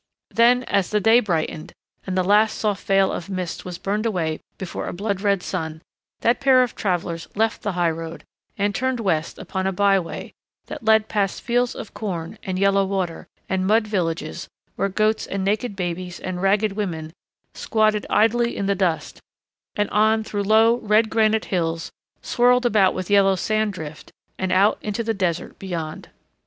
Then as the day brightened and the last soft veil of mist was burned away before a blood red sun, that pair of travelers left the highroad and turned west upon a byway that led past fields of corn and yellow water and mud villages where goats and naked babies and ragged women squatted idly in the dust, and on through low, red granite hills swirled about with yellow sand drift and out into the desert beyond.